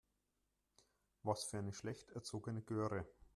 Was für eine schlecht erzogene Göre.